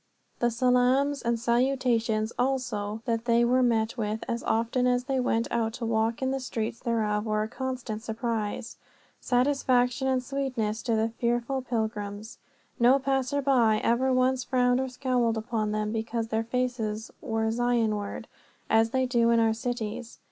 The salaams and salutations also that they were met with as often as they went out to walk in the streets thereof were a constant surprise, satisfaction, and sweetness to the fearful pilgrims. No passer by ever once frowned or scowled upon them because their faces were Zionward, as they do in our cities.